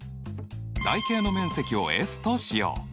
台形の面積をＳとしよう。